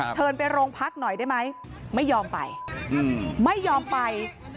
เชิญไปโรงพักหน่อยได้ไหมไม่ยอมไปไม่ยอมไป